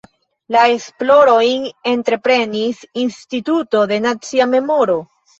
La esplorojn entreprenis Instituto de Nacia Memoro.